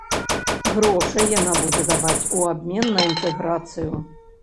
Грошы яна будзе даваць у абмен на інтэграцыю.